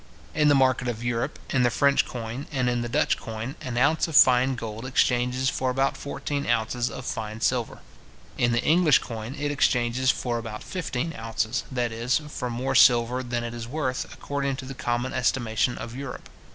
In the market of Europe, in the French coin and in the Dutch coin, an ounce of fine gold exchanges for about fourteen ounces of fine silver. In the English coin, it exchanges for about fifteen ounces, that is, for more silver than it is worth, according to the common estimation of Europe.